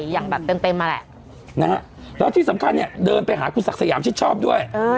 อย่างแบบเต็มมาแหละนะฮะแล้วที่สำคัญเนี่ยเดินไปหาคุณศักดิ์สยามชิดชอบด้วย